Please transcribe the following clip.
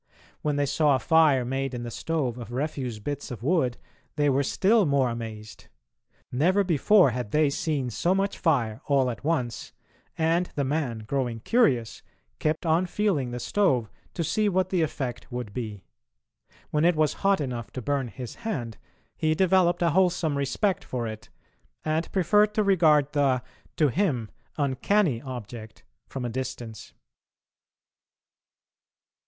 When they saw a fire made in the stove of refuse bits of wood they were still more amazed. Never before had they seen so much fire all at once, and the man, growing curious, kept on feeling the stove to see what the effect would be. When it was hot enough to burn his hand he developed a wholesome respect for it, and preferred to regard the, to him, uncanny object from a distance.